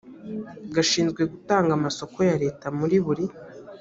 gashinzwe gutanga amasoko ya leta muri buri